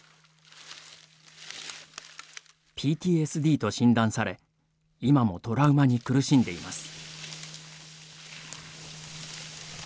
ＰＴＳＤと診断され今もトラウマに苦しんでいます。